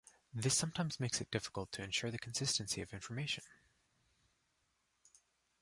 This sometimes makes it difficult to ensure the consistency of information.